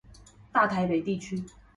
大台北地區